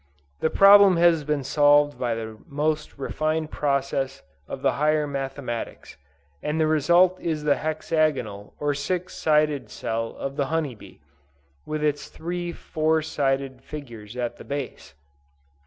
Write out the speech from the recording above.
This problem has been solved by the most refined processes of the higher mathematics, and the result is the hexagonal or six sided cell of the honey bee, with its three four sided figures at the base!